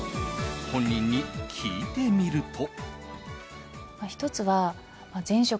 本人に聞いてみると。